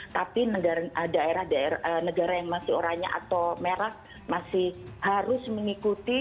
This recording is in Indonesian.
tapi daerah daerah negara yang masih oranye atau merah masih harus mengikuti